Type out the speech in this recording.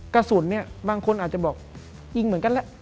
กระสุนเนี่ยบางคนอาจจะบอกยิงเหมือนกันแหละ